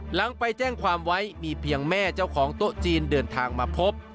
หลังไปแจ้งความไว้มีเพียงแม่เจ้าของโต๊ะจีนเดินทางมาพบ